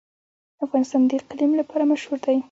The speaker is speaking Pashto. افغانستان د اقلیم لپاره مشهور دی.